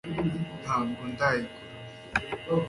ntabwo ndayigura